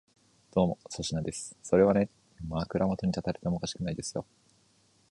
それはね、枕元に立たれてもおかしくないですよ。